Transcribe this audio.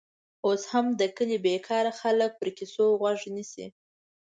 اوس هم د کلي بېکاره خلک پر کیسو غوږ نیسي.